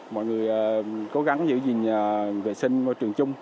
mọi người cố gắng giữ gìn vệ sinh môi trường chung